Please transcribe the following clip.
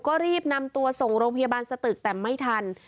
ก็รีบนำตัวส่งโรงพยาบาลสตึกแต่ไม่ทัน